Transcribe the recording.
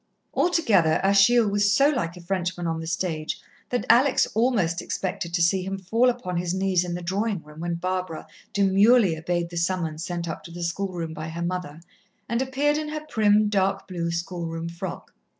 Altogether Achille was so like a Frenchman on the stage that Alex almost expected to see him fall upon his knees in the drawing room when Barbara demurely obeyed the summons sent up to the schoolroom by her mother, and appeared in her prim, dark blue schoolroom frock.